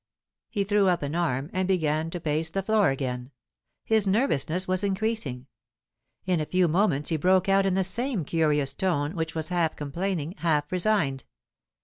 He threw up an arm, and began to pace the floor again. His nervousness was increasing. In a few moments he broke out in the same curious tone, which was half complaining, half resigned.